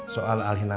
soal alhina masih